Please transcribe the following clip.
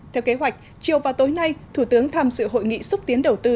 theo kế hoạch chiều và tối nay thủ tướng tham dự hội nghị xúc tiến đầu tư